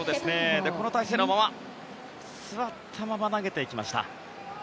この体勢のまま座ったまま投げていきました。